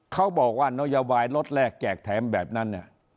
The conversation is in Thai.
เขาบอกว่านโยบายรถแรกแจกแถมแบบนั้นเนี่ย